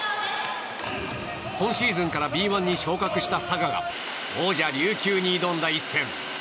今シーズンからＢ１に昇格した佐賀が王者・琉球に挑んだ一戦。